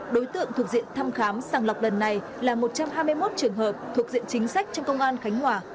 đối tượng thuộc diện thăm khám sàng lọc lần này là một trăm hai mươi một trường hợp thuộc diện chính sách trong công an khánh hòa